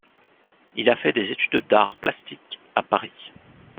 Il a fait des études d'arts plastiques à Paris.